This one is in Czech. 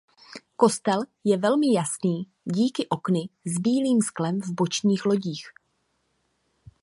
Kostel je velmi jasný díky okny s bílým sklem v bočních lodích.